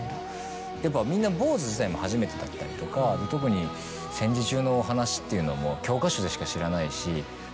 やっぱみんな坊ず自体も初めてだったりとか特に戦時中のお話っていうのも教科書でしか知らないし。